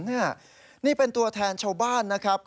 นี่นี่เป็นตัวแทนชาวบ้านนะครับ